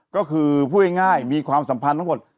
ก็คือพูดง่ายมีความสัมพันธ์ทั้งหมด